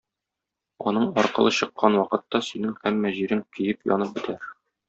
Аның аркылы чыккан вакытта синең һәммә җирең көеп, янып бетәр.